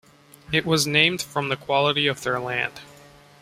It was named from the quality of their land.